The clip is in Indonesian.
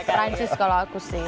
prancis kalau aku sih